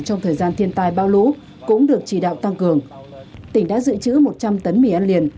trong thời gian thiên tai bão lũ cũng được chỉ đạo tăng cường tỉnh đã dự trữ một trăm linh tấn mì ăn liền